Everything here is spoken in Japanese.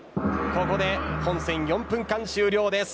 ここで、本戦４分間終了です。